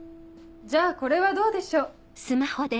じゃあこれはどうでしょう？